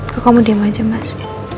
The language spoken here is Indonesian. kok kamu diam aja mas